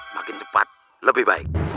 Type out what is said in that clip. makin cepat lebih baik